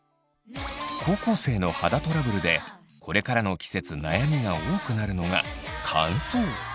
高校生の肌トラブルでこれからの季節悩みが多くなるのが乾燥。